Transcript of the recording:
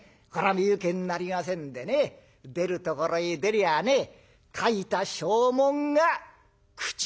身請けになりませんでね出るところへ出りゃあね書いた証文が口を利きますよ。